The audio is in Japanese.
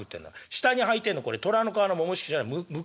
下にはいてんのこれ虎の皮のももひきじゃない行縢。